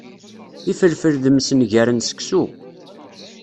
Ifelfel d msenger n seksu.